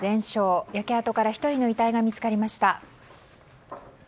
焼け跡から１人の遺体が見つかりました。